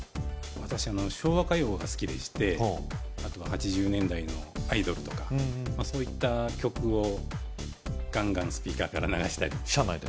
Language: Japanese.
私昭和歌謡が好きでしてあとは８０年代のアイドルとかそういった曲をガンガンスピーカーから流したり車内で？